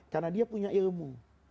karena dia punya ilmu